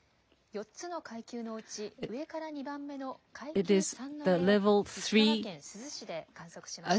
４つの階級のうち、上から２番目の階級３の揺れを、石川県珠洲市で観測しました。